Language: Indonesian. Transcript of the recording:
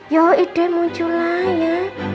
yaudah munculah ya